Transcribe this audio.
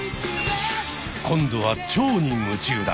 今度はチョウに夢中だ。